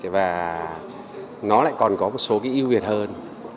và nó lại còn có một số cái ưu việt hơn